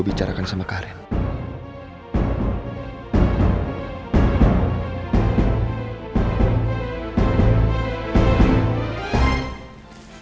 tidak ada yang bisa menghidupku